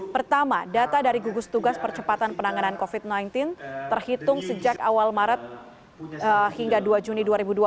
pertama data dari gugus tugas percepatan penanganan covid sembilan belas terhitung sejak awal maret hingga dua juni dua ribu dua puluh